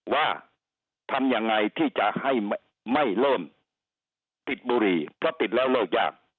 ว่าทำยังไงที่จะให้ไม่เริ่มติดบุหรี่เพราะติดแล้วเลิกยาก